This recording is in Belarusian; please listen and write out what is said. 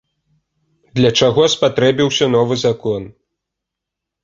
Для чаго спатрэбіўся новы закон?